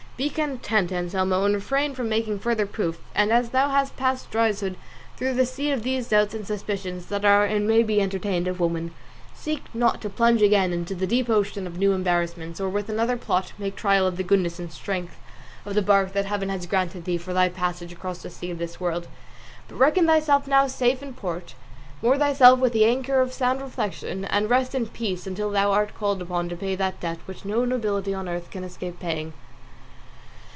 Be content, Anselmo, and refrain from making further proof; and as thou hast passed dryshod through the sea of those doubts and suspicions that are and may be entertained of women, seek not to plunge again into the deep ocean of new embarrassments, or with another pilot make trial of the goodness and strength of the bark that Heaven has granted thee for thy passage across the sea of this world; but reckon thyself now safe in port, moor thyself with the anchor of sound reflection, and rest in peace until thou art called upon to pay that debt which no nobility on earth can escape paying."